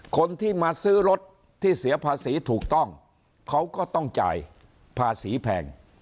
คนที่มาซื้อรถที่เสียภาษีถูกต้องเขาก็ต้องจ่ายภาษีแพง